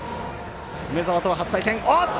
梅澤とは初対戦。